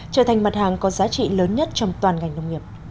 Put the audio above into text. trở thành mặt hàng có giá trị lớn nhất trong toàn ngành nông nghiệp